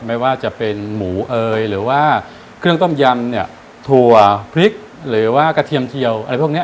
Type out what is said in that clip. ไม่ว่าจะเป็นหมูเอยหรือว่าเครื่องต้มยำเนี่ยถั่วพริกหรือว่ากระเทียมเทียวอะไรพวกนี้